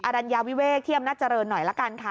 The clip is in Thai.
รัญญาวิเวกที่อำนาจเจริญหน่อยละกันค่ะ